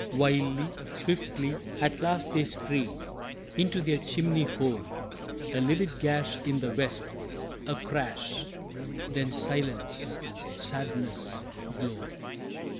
Wildly, swiftly, at last they stream Into their chimney home. A livid gash in the west, a crash Then silence, sadness, gloam.